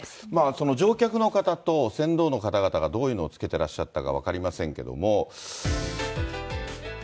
その乗客の方と船頭の方々がどういうのをつけてらっしゃったのか分かりませんけれども。